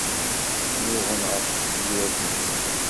Nnuɣen ɣef tefyirt-nni.